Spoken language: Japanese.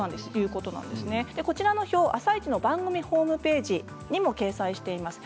こちらの表、「あさイチ」の番組ホームページにも掲載しています。